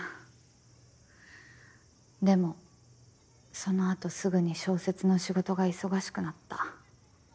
でもその後すぐに小説の仕事が忙しくなった。